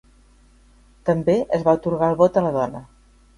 També, es va atorgar el vot a la dona.